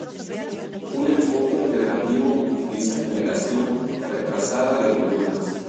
Un enfoque alternativo utiliza generación-retrasada de columnas.